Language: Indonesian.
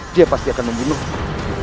dia pasti akan membunuhmu